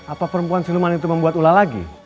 apa perempuan siluman itu membuat ulah lagi